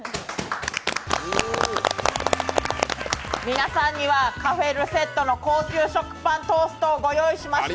皆さんにはＣａｆｅＲｅｃｅｔｔｅの高級食パントーストをご用意しました。